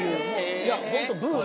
いやホントブーム。